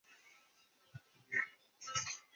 第十二届全国人民代表大会辽宁地区代表。